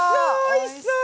おいしそう！